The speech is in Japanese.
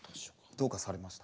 どうかされました？